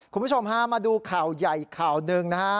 คุณผู้ชมฮะมาดูข่าวใหญ่ข่าวหนึ่งนะฮะ